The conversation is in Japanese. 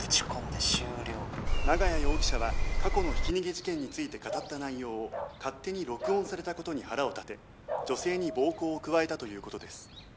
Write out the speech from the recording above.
「長屋容疑者は過去のひき逃げ事件について語った内容を勝手に録音された事に腹を立て女性に暴行を加えたという事です」